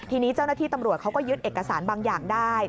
ทีนี้เจ้าหน้าที่ตำรวจเขาก็ยึดเอกสารบางอย่างได้